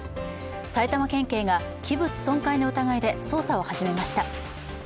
埼玉県警が器物損壊の疑いで捜査を始めました